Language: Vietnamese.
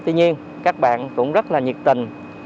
tuy nhiên các bạn cũng rất là nhiệt tình